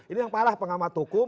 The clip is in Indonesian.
ini yang parah pengamat hukum